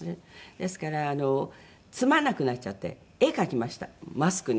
ですからつまらなくなっちゃって絵描きましたマスクに。